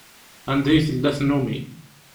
Anda i tella tnumi.